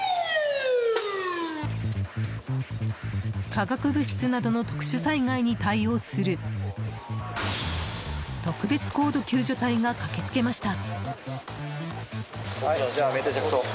化学物質などの特殊災害に対応する特別高度救助隊が駆けつけました。